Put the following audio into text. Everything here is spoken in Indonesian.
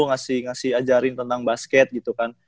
ngasih ngasih ajarin tentang basket gitu kan